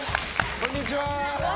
こんにちは！